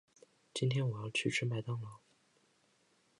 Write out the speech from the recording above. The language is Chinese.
今天我要去吃麦当劳。